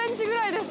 です